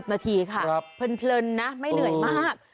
นาทีค่ะเพลินนะไม่เหนื่อยมาก